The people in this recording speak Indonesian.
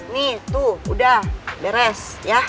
nih tuh udah beres ya